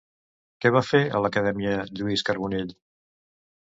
Què va fer a l'Acadèmia de Lluís Carbonell?